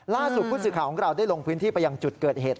ล่าสุดผู้สื่อข่าวของเราได้ลงพื้นที่ไปยังจุดเกิดเหตุ